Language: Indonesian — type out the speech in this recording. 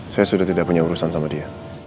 saya sudah tidak punya urusan sama dia